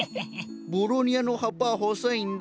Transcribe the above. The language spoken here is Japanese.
ボロニアの葉っぱは細いんだ。